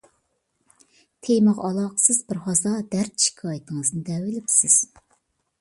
تېمىغا ئالاقىسىز بىرھازا دەرد - شىكايىتىڭىزنى دەۋېلىپسىز.